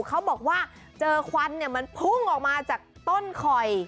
เขาบอกว่าเจอควันมันพุ่งออกมาจากต้นคอย